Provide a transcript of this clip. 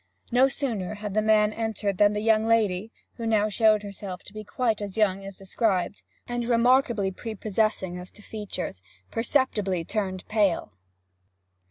No sooner had the old man entered than the young lady who now showed herself to be quite as young as described, and remarkably prepossessing as to features perceptibly turned pale.